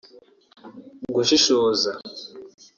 gushishoza